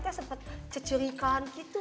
teh sempet cecurikan gitu